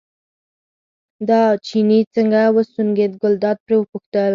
دا چيني څنګه وسونګېد، ګلداد پرې وپوښتل.